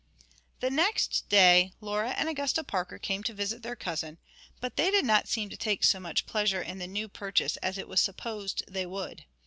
The next day Laura and Augusta Parker came to visit their cousin, but they did not seem to take so much pleasure in the new purchase as it was supposed they would.